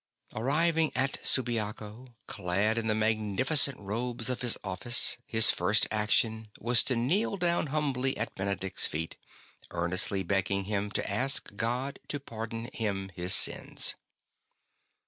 Arriving at Subiaco, clad in the magnificent robes of his office, his first action was to kneel down humbly at Benedict's feet, earnestly begging him to ask God to pardon him his sins.